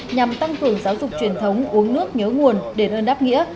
nhằm tăng cường giáo dục truyền thống uống nước nhớ nguồn đền ơn đáp nghĩa